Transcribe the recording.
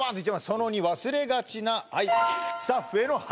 「その２忘れがちな」